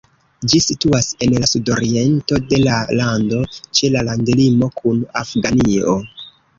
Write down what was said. Ĝi situas en la sudoriento de la lando, ĉe la landlimo kun Afganio.